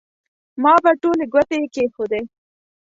ما به ټولې ګوتې کېښودې.